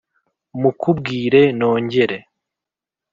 mukubwire nongere